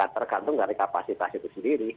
tergantung dari kapasitas itu sendiri